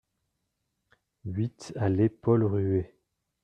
huit allée Paul Rué